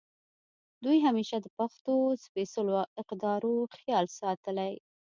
دوي همېشه د پښتو د سپېځلو اقدارو خيال ساتلے